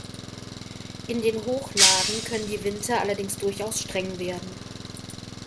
In den Hochlagen können die Winter allerdings durchaus streng werden.